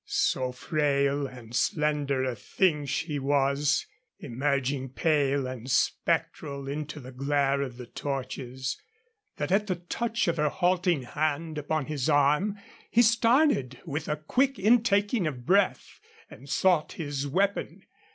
So frail and slender a thing she was, emerging pale and spectral into the glare of the torches, that at the touch of her halting hand upon his arm he started with a quick intaking of the breath and sought his weapon.